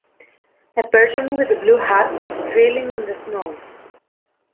A person with a blue hat is thrilling in the snow.